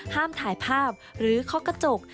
ห้ามถ่ายภาพหรือเคาะกระจก